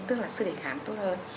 tức là sức đề kháng tốt hơn